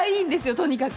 とにかく。